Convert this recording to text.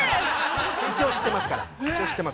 ◆一応知っていますから。